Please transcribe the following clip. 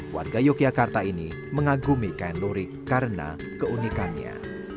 warga yogyakarta ini mengagumi kain lurik karena keunikannya